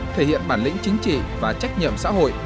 thể hiện bản lĩnh chính trị và trách nhiệm xã hội